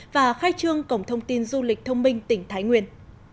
và khai trương cổng thông tin du lịch thông minh tỉnh thái nguyên